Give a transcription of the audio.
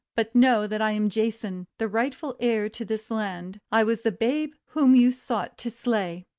'But know that I am Jason, the rightful heir to this land. I was the babe whom you sought to slay.